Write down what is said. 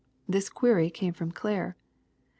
' This query came from Claire.